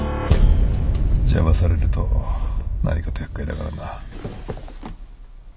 邪魔されると何かと厄介だからな。